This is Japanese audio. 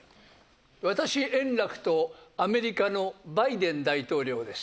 私円楽とアメリカのバイデン大統領です。